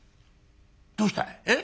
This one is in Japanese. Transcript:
『どうしたい？え？